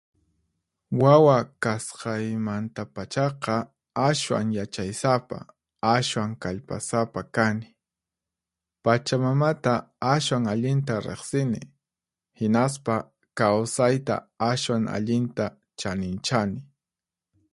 Wawa kasqaymantapachaqa ashwan yachaysapa, ashwan kallpasapa kani. Pachamamata ashwan allinta riqsini, hinaspa kawsayta ashwan allinta chaninchani.